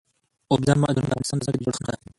اوبزین معدنونه د افغانستان د ځمکې د جوړښت نښه ده.